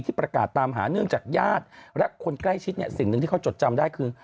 ประกาศตามหาเนื่องจากญาติและคนใกล้ชิดเนี่ยสิ่งหนึ่งที่เขาจดจำได้คือ